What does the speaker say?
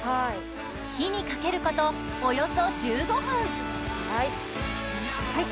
火にかけることおよそ１５分はい。